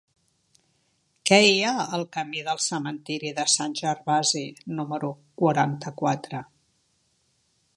Què hi ha al camí del Cementiri de Sant Gervasi número quaranta-quatre?